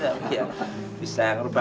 senang banget pak kedatangan bapak